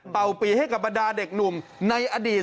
ปีให้กับบรรดาเด็กหนุ่มในอดีต